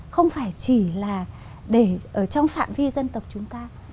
không phải chỉ là để ở trong phạm vi dân tộc chúng ta